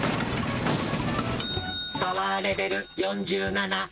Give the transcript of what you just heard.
「パワーレベル４７」。